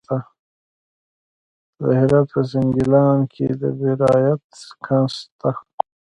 د هرات په سنګلان کې د بیرایت کان شته.